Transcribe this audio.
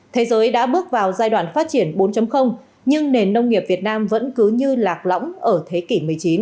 thế giới đã bước vào giai đoạn phát triển bốn nhưng nền nông nghiệp việt nam vẫn cứ như lạc lõng ở thế kỷ một mươi chín